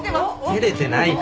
照れてないから。